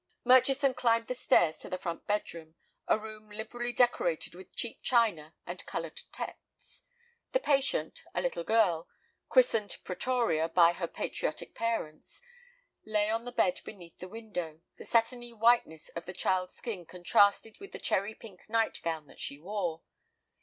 Murchison climbed the stairs to the front bedroom, a room liberally decorated with cheap china and colored texts. The patient, a little girl, christened Pretoria by her patriotic parents, lay on the bed beneath the window. The satiny whiteness of the child's skin contrasted with the cherry pink night gown that she wore.